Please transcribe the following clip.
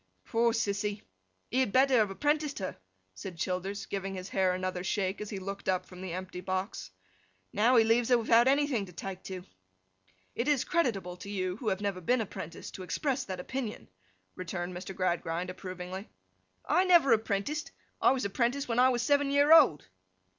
'Poor Sissy! He had better have apprenticed her,' said Childers, giving his hair another shake, as he looked up from the empty box. 'Now, he leaves her without anything to take to.' 'It is creditable to you, who have never been apprenticed, to express that opinion,' returned Mr. Gradgrind, approvingly. 'I never apprenticed? I was apprenticed when I was seven year old.